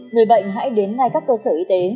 người bệnh hãy đến ngay các cơ sở y tế